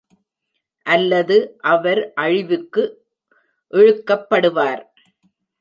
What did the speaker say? அல்லது அவர் அழிவுக்கு இழுக்கப்படுவார்.